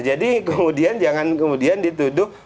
jadi kemudian jangan kemudian dituduh